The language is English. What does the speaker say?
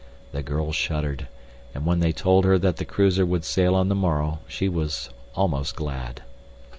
The girl shuddered, and when they told her that the cruiser would sail on the morrow she was almost glad.